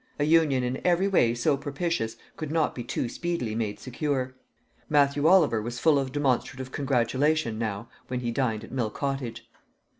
A union in every way so propitious could not be too speedily made secure. Matthew Oliver was full of demonstrative congratulation now when he dined at Mill Cottage.